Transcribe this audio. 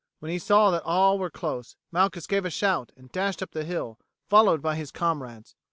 When he saw that all were close, Malchus gave a shout and dashed up the hill, followed by his comrades.